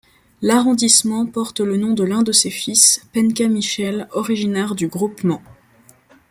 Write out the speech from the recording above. L'arrondissement porte le nom de l'un de ses fils, Penka Michel, originaire du groupement.